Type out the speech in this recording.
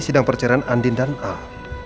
sidang percerian andin dan al